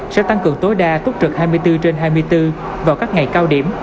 sẽ tăng cường tối đa túc trực hai mươi bốn trên hai mươi bốn vào các ngày cao điểm